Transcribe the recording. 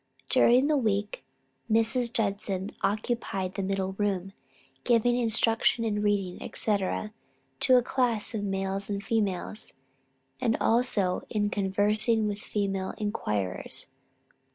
During the week Mrs. Judson occupied the middle room, giving instruction in reading, &c., to a class of males and females; and also in conversing with female inquirers.